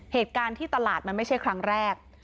เหตุการณ์ที่ตลาดมันไม่ใช่ครั้งแรก